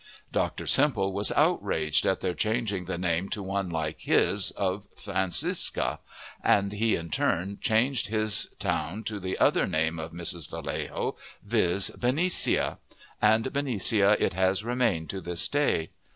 Dr. Semple was outraged at their changing the name to one so like his of Francisca, and he in turn changed his town to the other name of Mrs. Vallejo, viz., "Benicia;" and Benicia it has remained to this day.